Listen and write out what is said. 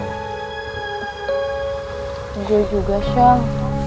gua juga sel